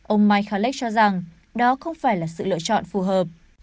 ông mikhalek cho rằng đó không phải là sự lựa chọn phù hợp